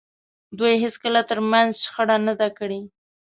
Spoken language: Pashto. دوی هېڅکله تر منځ شخړه نه ده کړې.